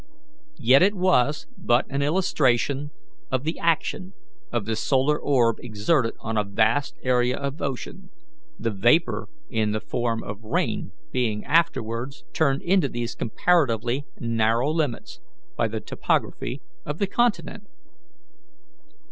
Yet it was but an illustration of the action of the solar orb exerted on a vast area of ocean, the vapour in the form of rain being afterwards turned into these comparatively narrow limits by the topography of the continent.